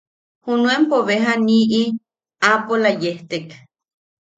Junuenpo beja niʼi aapola yejtek.